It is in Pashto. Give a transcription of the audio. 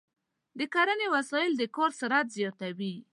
د کرنې وسایل د کار سرعت زیاتوي.